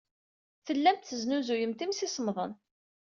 Tellamt tesnuzuyemt imsisemḍen.